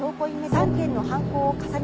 ３件の犯行を重ねたと